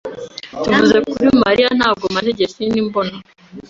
Tuvuze kuri Mariya, ntabwo maze igihe kinini mbona.